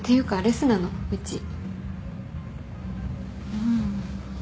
うん。